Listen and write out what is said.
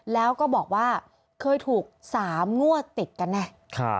แล้วก็บอกว่าเคยถูก๓งวดติดกันแน่